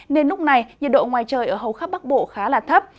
nên lúc này nhiệt độ ngoài trời ở hầu khắp bắc bộ khá là thấp